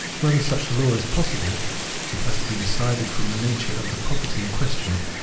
Whether such a law is possible has to be decided from the nature of the property in question.